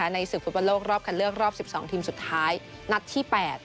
ในศึกฟุตบอลโลกรอบคันเลือกรอบ๑๒ทีมสุดท้ายนัดที่๘